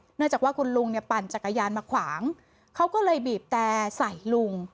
เนื่องจากว่าคุณลุงเนี่ยปั่นจักรยานมาขวางเขาก็เลยบีบแต่ใส่ลุง